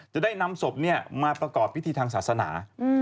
จะได้นำศพมาประกอบพิธีทางศาสนา